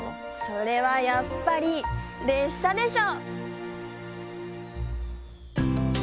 それはやっぱりれっしゃでしょ！